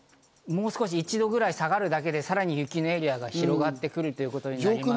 １度くらい下がるだけで、さらに雪のエリアが広がってくるということになります。